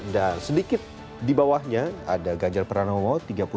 dan sedikit di bawahnya ada ganjar pranowo tiga puluh tiga enam